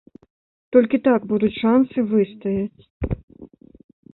Толькі так будуць шанцы выстаяць.